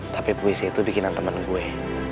tapi puisi itu bikin anteman gue